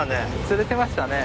釣れてましたね。